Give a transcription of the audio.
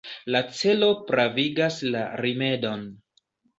La celo pravigas la rimedon.